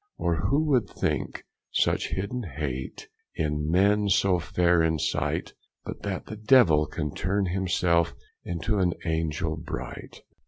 Or who would think such hidden hate In men so fair in sight, But that the Devill can turne him selfe Into an angell bright.